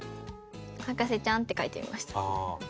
「博士ちゃん！」って書いてみました。